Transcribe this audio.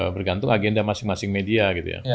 bergantung agenda masing masing media gitu ya